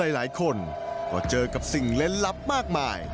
หลายคนก็เจอกับสิ่งเล่นลับมากมาย